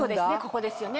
ここですよね